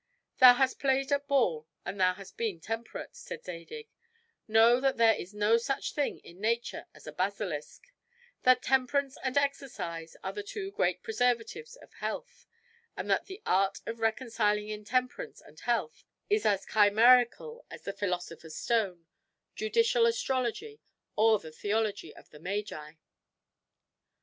"Thou hast played at ball, and thou hast been temperate," said Zadig; "know that there is no such thing in nature as a basilisk; that temperance and exercise are the two great preservatives of health; and that the art of reconciling intemperance and health is as chimerical as the philosopher's stone, judicial astrology, or the theology of the magi."